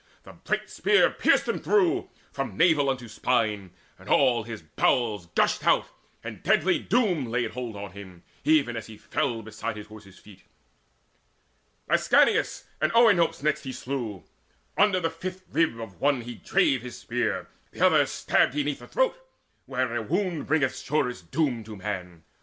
The bright spear pierced him through From navel unto spine, and all his bowels Gushed out, and deadly Doom laid hold on him Even as he fell beside his horse's feet. Ascanius and Oenops next he slew; Under the fifth rib of the one he drave His spear, the other stabbed he 'neath the throat Where a wound bringeth surest doom to man.